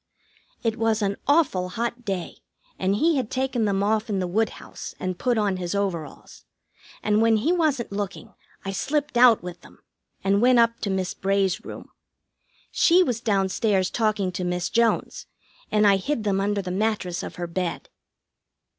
It was an awful hot day, and he had taken them off in the woodhouse and put on his overalls, and when he wasn't looking I slipped out with them, and went up to Miss Bray's room. She was down stairs talking to Miss Jones, and I hid them under the mattress of her bed.